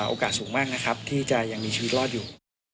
โอกาสสูงมากนะครับที่จะยังมีชีวิตรอดอยู่